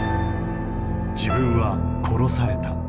自分は殺された。